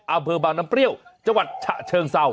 อำเภอบางน้ำเปรี้ยวจังหวัดฉะเชิงเศร้า